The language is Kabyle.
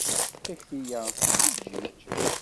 Takti-ya tettfeǧǧiǧ!